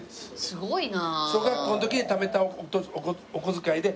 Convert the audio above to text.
すごいね。